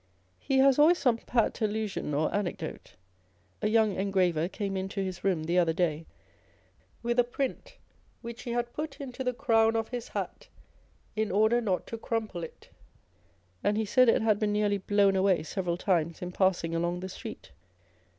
He has always some pat allusion or anecdote. A young engraver came into his room the other day, with a print which he had put into the crown of his hat in order not to crumple it, and he said it had been nearly blown away several times in passing along the street.